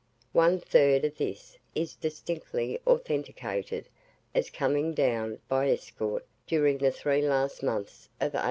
One third of this is distinctly authenticated as having come down by escort during the three last mouths of 1852.